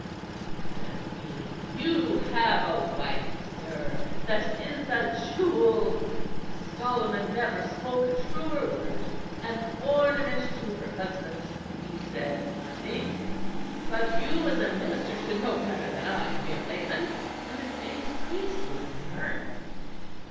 he said, beaming, "You have a wife, sir, that is a jewel. Solomon never spoke a truer word; an ornament to her husband, he said, I think; but you as a minister should know better than I, a mere layman"; and his face creased with mirth.